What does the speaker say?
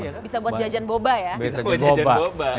bisa buat jajan boba ya